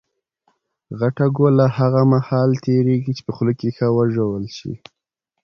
غټه ګوله هغه مهال تېرېږي، چي په خوله کښي ښه وژول سي.